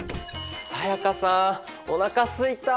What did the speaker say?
才加さんおなかすいた！